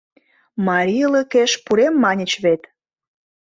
Марийлыкеш пурем маньыч вет?